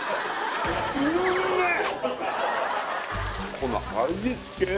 この味つけ！